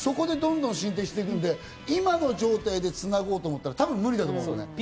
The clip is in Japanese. そこでどんどん進展していくんで、今の状態でつなごうと思ったら無理だと思うのね。